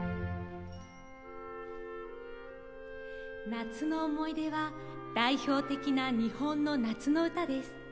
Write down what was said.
「夏の思い出」は代表的な日本の夏の歌です。